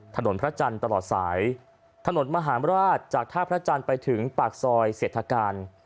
ถนนพระจันทร์ตลอดสายถนนมหารราชจากท่าพระจันทร์ไปถึงปากซอยเศรษฐการ